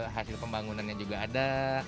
hasil pembangunannya juga ada